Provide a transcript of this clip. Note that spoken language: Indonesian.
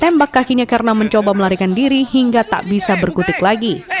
tembak kakinya karena mencoba melarikan diri hingga tak bisa berkutik lagi